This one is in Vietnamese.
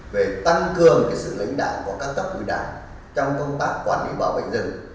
về tăng cường sự lãnh đạo của các tập hội đảng trong công tác quản lý bảo vệ rừng